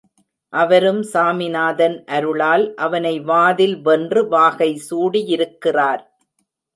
அவரும் சாமிநாதன் அருளால் அவனை வாதில் வென்று வாகை சூடியிருக்கிறார்.